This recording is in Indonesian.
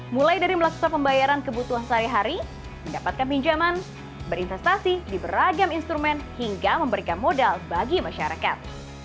mulai dari melaksanakan pembayaran kebutuhan sehari hari mendapatkan pinjaman berinvestasi di beragam instrumen hingga memberikan modal bagi masyarakat